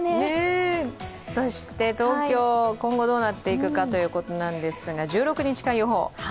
そして東京、今後どうなっていくかということですが、１６日間予報。